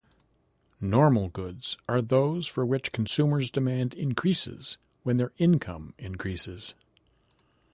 Normal goods are those for which consumers' demand increases when their income increases.